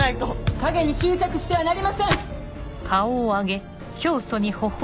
影に執着してはなりません！